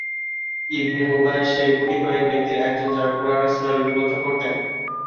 ইবনে Ubayy সেই গুটি কয়েক ব্যক্তির একজন, যারা কুরআনের সূরা লিপিবদ্ধ করতেন।